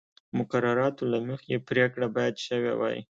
مقرراتو له مخې پرېکړه باید شوې وای.